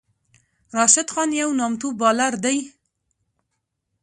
راشد خان یو نامتو بالر دئ.